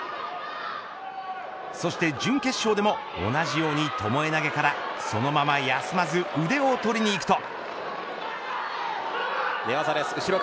そして準決勝でも同じように巴投からそのまま休まず腕を取りに行くと。